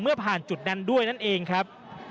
ผ่านจุดนั้นด้วยนั่นเองครับ